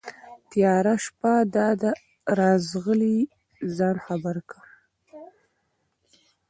تياره شپه دا ده راځغلي ځان خبر كه